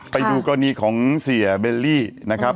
ไปดูกรณีของเสียเบลลี่นะครับ